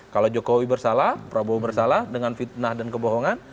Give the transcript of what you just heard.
kalau jokowi bersalah prabowo bersalah dengan fitnah dan kebohongan